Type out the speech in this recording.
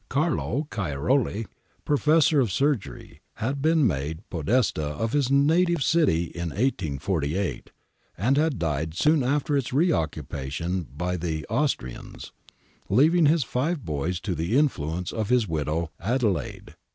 Carlo Cairoli, Professor of Surgery, had been made Podesta of his native city in 1848, and had died soon after its re occupation by the Austrians, leaving his five boys to the influence of his widow Adelaide.